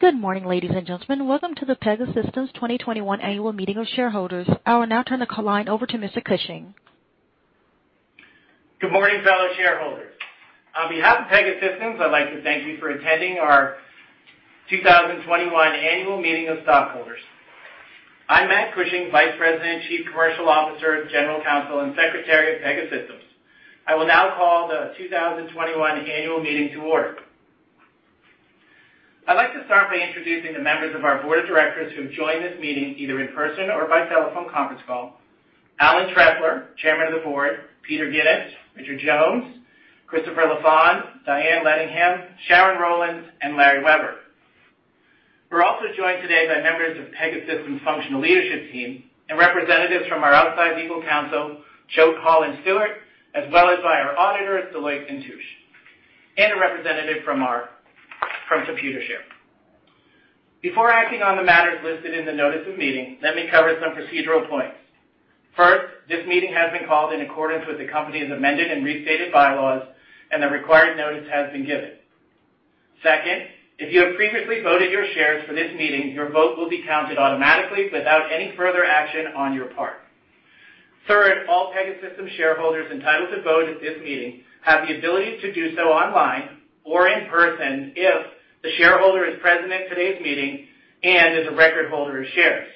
Good morning, ladies and gentlemen. Welcome to the Pegasystems 2021 Annual Meeting of Shareholders. I will now turn the call line over to Mr. Cushing. Good morning, fellow shareholders. On behalf of Pegasystems, I'd like to thank you for attending our 2021 Annual Meeting of Stockholders. I'm Matt Cushing, Vice President, Chief Commercial Officer, General Counsel, and Secretary of Pegasystems. I will now call the 2021 annual meeting to order. I'd like to start by introducing the members of our board of directors who have joined this meeting, either in person or by telephone conference call. Alan Trefler, Chairman of the Board, Peter Gyenes, Richard Jones, Christopher Lafond, Dianne Ledingham, Sharon Rowlands, and Larry Weber. We're also joined today by members of Pegasystems functional leadership team and representatives from our outside legal counsel, Choate Hall & Stewart, as well as by our auditors, Deloitte & Touche, and a representative from Computershare. Before acting on the matters listed in the notice of the meeting, let me cover some procedural points. First, this meeting has been called in accordance with the company's amended and restated bylaws, and the required notice has been given. Second, if you have previously voted your shares for this meeting, your vote will be counted automatically without any further action on your part. Third, all Pegasystems shareholders entitled to vote at this meeting have the ability to do so online or in person if the shareholder is present at today's meeting and is a record holder of shares,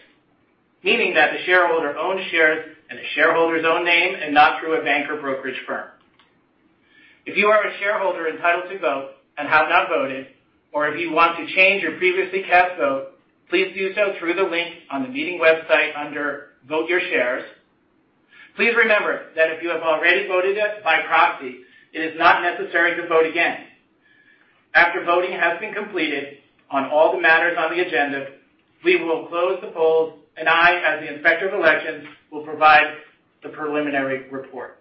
meaning that the shareholder owns shares in the shareholder's own name and not through a bank or brokerage firm. If you are a shareholder entitled to vote and have not voted, or if you want to change your previously cast vote, please do so through the link on the meeting website under Vote Your Shares. Please remember that if you have already voted it by proxy, it is not necessary to vote again. After voting has been completed on all the matters on the agenda, we will close the polls, and I, as the Inspector of Elections, will provide the preliminary report.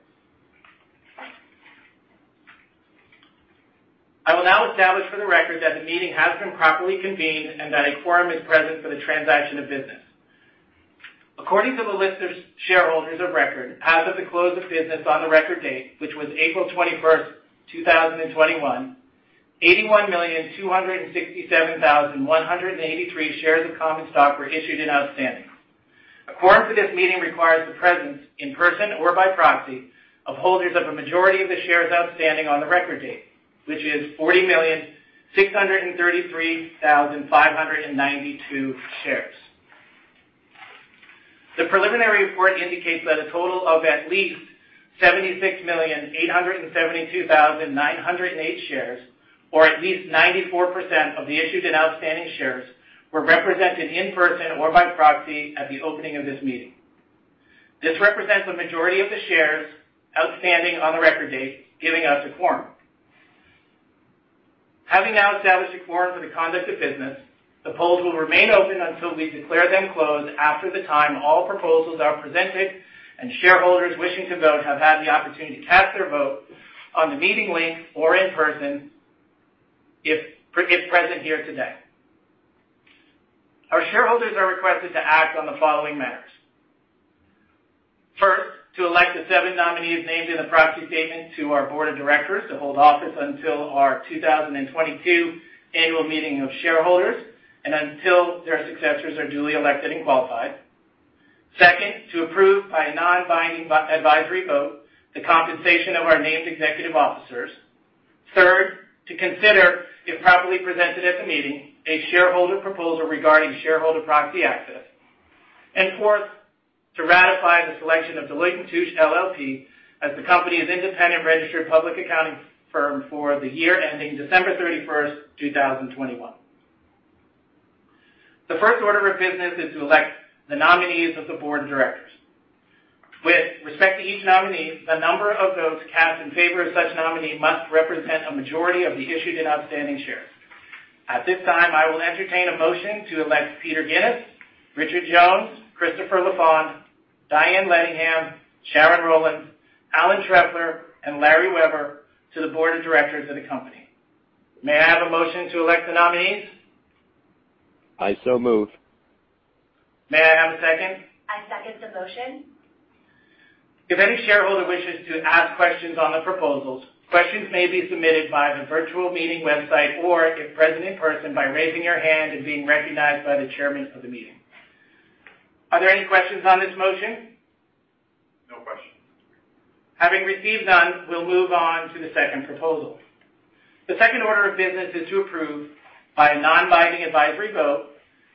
I will now establish for the record that the meeting has been properly convened and that a quorum is present for the transaction of business. According to the list of shareholders of record as of the close of business on the record date, which was April 21st, 2021, 81,267,183 shares of common stock were issued and outstanding. A quorum for this meeting requires the presence, in person or by proxy, of holders of a majority of the shares outstanding on the record date, which is 40,633,592 shares. The preliminary report indicates that a total of at least 76,872,908 shares, or at least 94% of the issued and outstanding shares, were represented in person or by proxy at the opening of this meeting. This represents a majority of the shares outstanding on the record date, giving us a quorum. Having now established a quorum for the conduct of business, the polls will remain open until we declare them closed after the time all proposals are presented and shareholders wishing to vote have had the opportunity to cast their vote on the meeting link or in person if present here today. Our shareholders are requested to act on the following matters. First, to elect the seven nominees named in the proxy statement to our Board of Directors to hold office until our 2022 Annual Meeting of Shareholders and until their successors are duly elected and qualified. Second, to approve by a non-binding advisory vote the compensation of our named executive officers. Third, to consider, if properly presented at the meeting, a shareholder proposal regarding shareholder proxy access. Fourth, to ratify the selection of Deloitte & Touche LLP as the company's independent registered public accounting firm for the year ending December 31st, 2021. The first order of business is to elect the nominees of the Board of Directors. With respect to each nominee, the number of votes cast in favor of such nominee must represent a majority of the issued and outstanding shares. At this time, I will entertain a motion to elect Peter Gyenes, Richard Jones, Christopher Lafond, Dianne Ledingham, Sharon Rowlands, Alan Trefler, and Larry Weber to the board of directors of the company. May I have a motion to elect the nominees? I so move. May I have a second? I second the motion. If any shareholder wishes to ask questions on the proposals, questions may be submitted via the virtual meeting website or, if present in person, by raising your hand and being recognized by the Chairman of the meeting. Are there any questions on this motion? No questions. Having received none, we'll move on to the second proposal. The second order of business is to approve, by a non-binding advisory vote,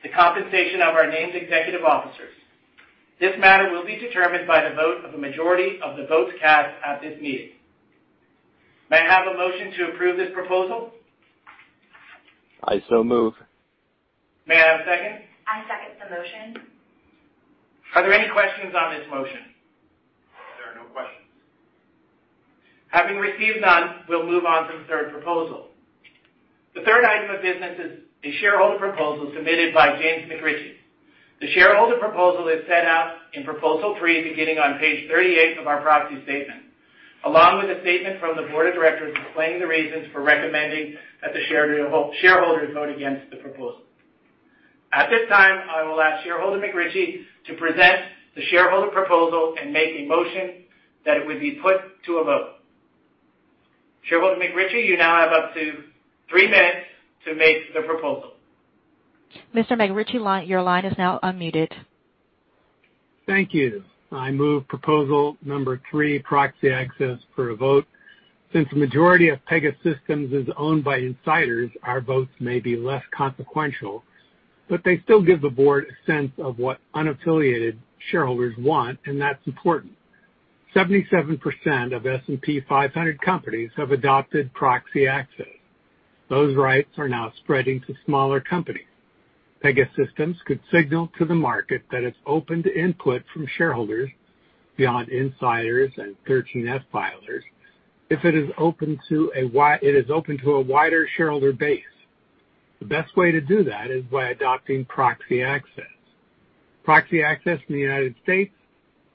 the compensation of our named executive officers. This matter will be determined by the vote of a majority of the votes cast at this meeting. May I have a motion to approve this proposal? I so move. May I have a second? I second the motion. Are there any questions on this motion? There are no questions. Having received none, we'll move on to the third proposal. The third item of business is a shareholder proposal submitted by James McRitchie. The shareholder proposal is set out in Proposal 3 beginning on page 38 of our proxy statement, along with a statement from the board of directors explaining the reasons for recommending that the shareholders vote against the proposal. At this time, I will ask shareholder McRitchie to present the shareholder proposal and make a motion that it would be put to a vote. Shareholder McRitchie, you now have up to three minutes to make the proposal. Mr. McRitchie, your line is now unmuted. Thank you. I move Proposal number three, proxy access for a vote. Since the majority of Pegasystems is owned by insiders, our votes may be less consequential, but they still give the board a sense of what unaffiliated shareholders want, and that's important. 77% of S&P 500 companies have adopted proxy access. Those rights are now spreading to smaller companies. Pegasystems could signal to the market that it's open to input from shareholders beyond insiders and 13F filers, if it is open to a wider shareholder base. The best way to do that is by adopting proxy access. Proxy access in the United States,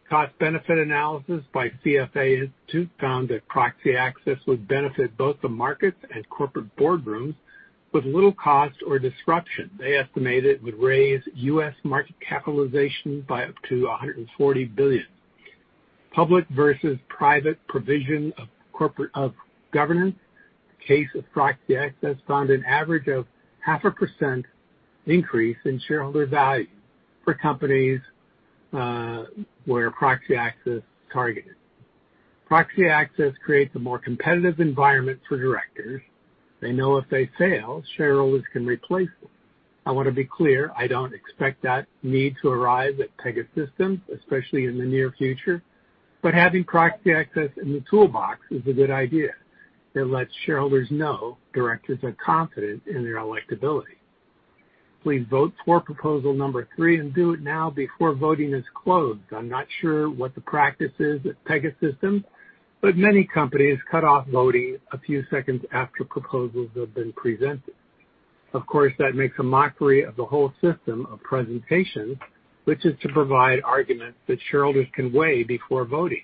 cost-benefit analysis by CFA has found that proxy access would benefit both the markets and corporate boardrooms with little cost or disruption. They estimate it would raise U.S. market capitalization by up to $140 billion. Public versus private provision of governance. The case of proxy access found an average of 0.5% increase in shareholder value for companies where proxy access is targeted. Proxy access creates a more competitive environment for directors. They know if they fail, shareholders can replace them. I want to be clear, I don't expect that need to arrive at Pegasystems, especially in the near future, but having proxy access in the toolbox is a good idea. It lets shareholders know directors are confident in their electability. Please vote for Proposal number 3 and do it now before voting is closed. I'm not sure what the practice is at Pegasystems, but many companies cut off voting a few seconds after proposals have been presented. Of course, that makes a mockery of the whole system of presentations, which is to provide arguments that shareholders can weigh before voting.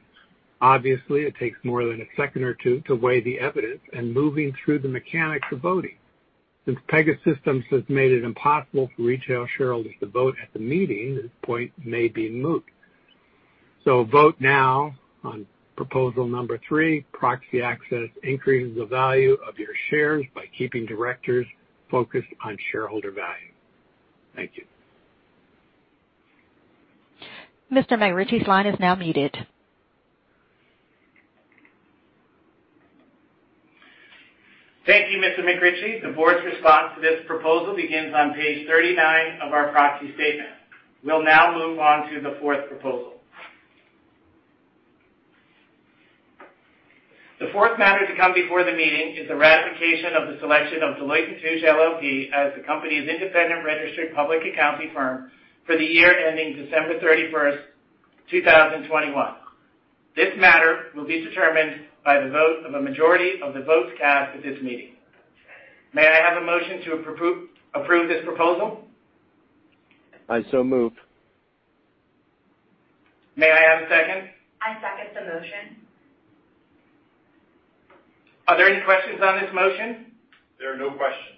Obviously, it takes more than a second or two to weigh the evidence and moving through the mechanics of voting. Since Pegasystems has made it impossible for retail shareholders to vote at the meeting, this point may be moot. Vote now on proposal number three, proxy access increases the value of your shares by keeping directors focused on shareholder value. Thank you. Mr. McRitchie's line is now muted. Thank you, Mr. McRitchie. The board's response to this proposal begins on page 39 of our proxy statement. We'll now move on to the fourth proposal. The fourth matter to come before the meeting is the ratification of the selection of Deloitte & Touche LLP as the company's independent registered public accounting firm for the year ending December 31st, 2021. This matter will be determined by the vote of a majority of the votes cast at this meeting. May I have a motion to approve this proposal? I so move. May I have a second? I second the motion. Are there any questions on this motion? There are no questions.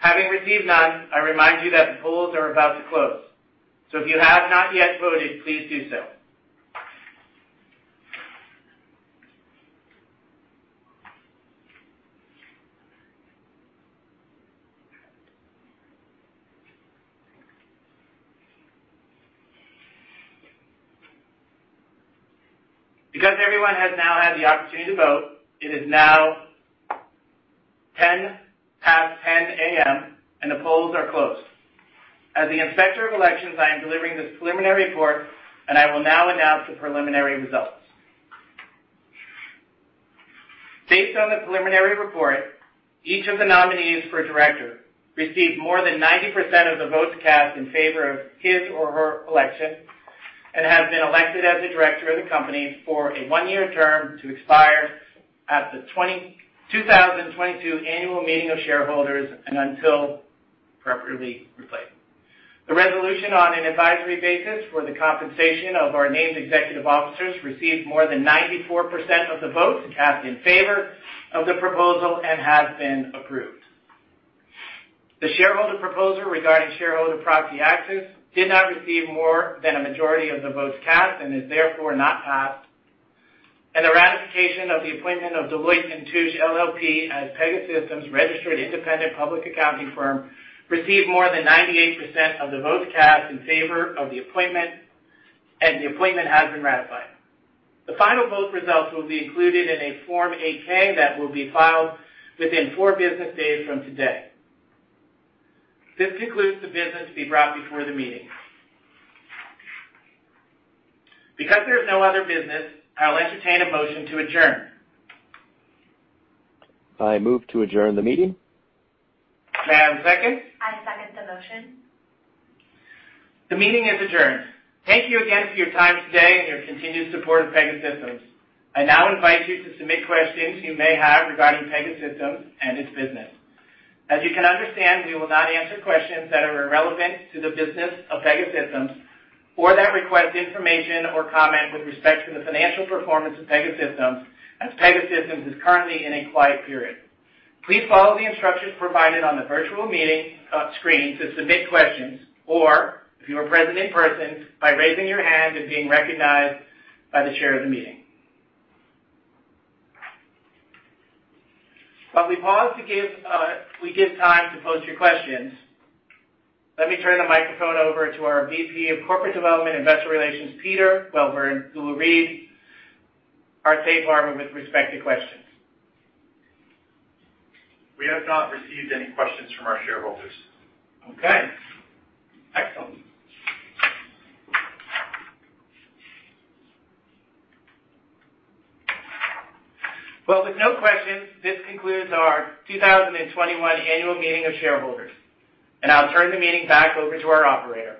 Having received none, I remind you that the polls are about to close. If you have not yet voted, please do so. Because everyone has now had the opportunity to vote, it is now 10:10 A.M. and the polls are closed. As the Inspector of Elections, I am delivering this preliminary report, and I will now announce the preliminary results. Based on the preliminary report, each of the nominees for director received more than 90% of the votes cast in favor of his or her election and has been elected as a director of the company for a one-year term to expire at the 2022 Annual Meeting of Shareholders and until properly replaced. The resolution on an advisory basis for the compensation of our named executive officers received more than 94% of the votes cast in favor of the proposal and has been approved. The shareholder proposal regarding shareholder proxy access did not receive more than a majority of the votes cast and is therefore not passed. The ratification of the appointment of Deloitte & Touche LLP as Pegasystems' registered independent public accounting firm received more than 98% of the votes cast in favor of the appointment, and the appointment has been ratified. The final vote results will be included in a Form 8-K that will be filed within four business days from today. This concludes the business to be brought before the meeting. Because there's no other business, I'll entertain a motion to adjourn. I move to adjourn the meeting. May I have a second? I second the motion. The meeting is adjourned. Thank you again for your time today and your continued support of Pegasystems. I now invite you to submit questions you may have regarding Pegasystems and its business. As you can understand, we will not answer questions that are irrelevant to the business of Pegasystems or that request information or comment with respect to the financial performance of Pegasystems as Pegasystems is currently in a quiet period. Please follow the instructions provided on the virtual meeting screen to submit questions, or if you're present in person, by raising your hand and being recognized by the chair of the meeting. While we give time to post your questions, let me turn the microphone over to our VP of Corporate Development Investor Relations, Peter, who will read our safe harbor with respect to questions. We have not received any questions from our shareholders. Okay. Excellent. Well, with no questions, this concludes our 2021 Annual Meeting of Shareholders, and I'll turn the meeting back over to our operator.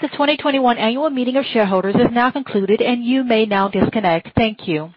The 2021 Annual Meeting of Shareholders is now concluded and you may now disconnect. Thank you.